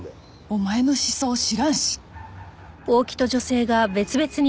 お前の思想知らんし！